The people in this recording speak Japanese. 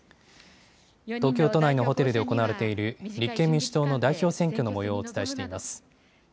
東京都内のホテルで行われている、立憲民主党の代表選挙のもようをお伝えしています。